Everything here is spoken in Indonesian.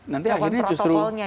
nanti akhirnya justru keluarga